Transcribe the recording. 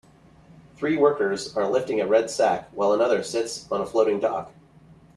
Three workers are lifting a red sack while another sits on a floating dock.